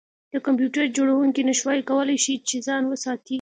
د کمپیوټر جوړونکي نشوای کولی چې ځان وساتي